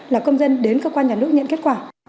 là công dân đến cơ quan nhà nước nhận kết quả